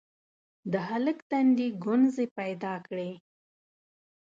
د هلک تندي ګونځې پيدا کړې: